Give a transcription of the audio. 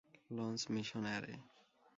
Launch mission array.